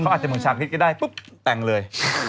เขาอาจจะเป็นชาติคิดก็ได้ปุ๊บแต่งเลย